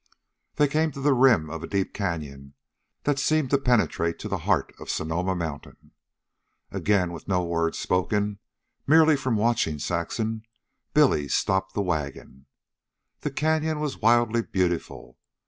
They came to the rim of a deep canyon that seemed to penetrate to the heart of Sonoma Mountain. Again, with no word spoken, merely from watching Saxon, Billy stopped the wagon. The canyon was wildly beautiful.